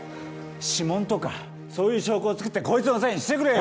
指紋とかそういう証拠を作ってこいつのせいにしてくれよ